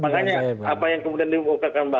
makanya apa yang kemudian dibuka